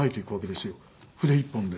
筆１本で。